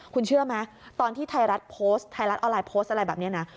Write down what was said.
คุณเชื่อไหมตอนที่ไทยรัฐออนไลน์โพสต์อะไรแบบนี้